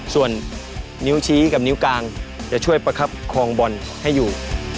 ส่วนนิ้วชี้กับนิ้วกลางจะช่วยประคับครองบอลให้อยู่